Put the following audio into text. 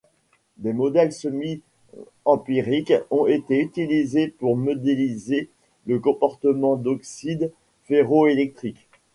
Des modèles semi-empiriques ont été utilisés pour modéliser le comportement d'oxydes ferroélectriques.